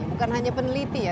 bukan hanya peneliti ya